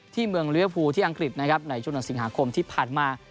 ที่เมืองเรื้อภูที่อังกฤษนะครับในช่วงดังสิงหาคมที่ผ่านมา